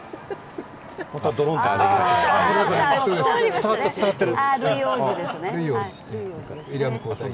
伝わってる、伝わってる。